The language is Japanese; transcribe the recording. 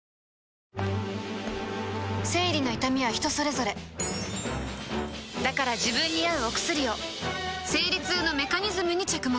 生理の痛みは人それぞれだから自分に合うお薬を生理痛のメカニズムに着目